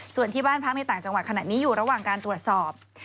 ส่วนที่บ้านพักในต่างจังหวัดขณะนี้อยู่ระหว่างการตรวจสอบ